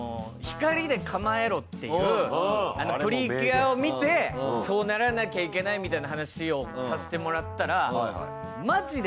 っていうあの「プリキュア」を見てそうならなきゃいけないみたいな話をさせてもらったらマジで。